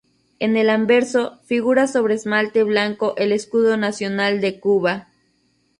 En el anverso figura sobre esmalte blanco el escudo nacional de Cuba.